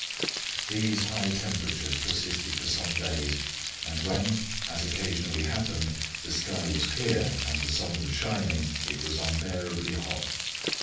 These high temperatures persisted for some days, and when, as occasionally happened, the sky was clear and the sun was shining it was unbearably hot.